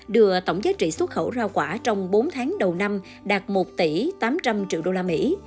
đưa tổng giá trị xuất khẩu rau quả trong bốn tháng đầu năm đạt một tỷ tám trăm linh triệu đô la mỹ